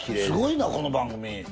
すごいなこの番組。